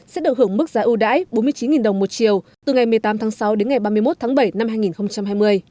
sẽ được hưởng mức giá ưu đãi bốn mươi chín đồng một chiều từ ngày một mươi tám tháng sáu đến ngày ba mươi một tháng bảy năm hai nghìn hai mươi